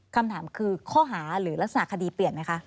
คำถามคือข้อหาหรือลักษณะคดีเปลี่ยนไหมคะ